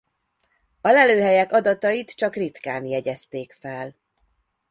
A lelőhelyek adatait csak ritkán jegyezték fel.